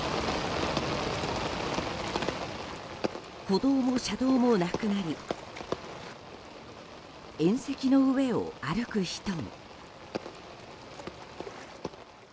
歩道も車道もなくなり縁石の上を歩く人も。